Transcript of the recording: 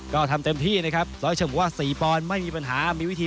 ก็ทำเต็มที่นะครับสักช่องว่าสี่ปอนไม่มีปัญหามีวิธี